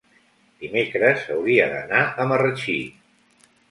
Dimecres hauria d'anar a Marratxí.